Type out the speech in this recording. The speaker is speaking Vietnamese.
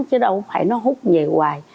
chứ đâu phải nó hút về hoài